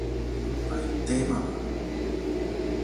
opaitémapa